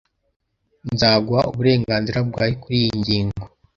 Nzaguha uburenganzira bwawe kuriyi ngingo